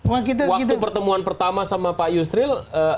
waktu pertemuan pertama sama pak yusril